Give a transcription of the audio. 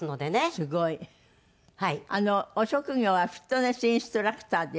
すごい。お職業はフィットネスインストラクターでいらっしゃいます。